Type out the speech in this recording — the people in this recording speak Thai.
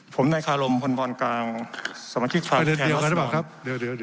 ผมนายคารมผลผ่อนกลางสมาชิกสภาพุทธแหลศดร